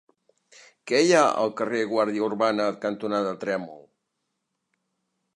Què hi ha al carrer Guàrdia Urbana cantonada Trèmol?